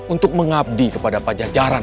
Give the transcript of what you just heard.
untuk mengabdi kepada pajajaran